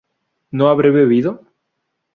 ¿no habré bebido?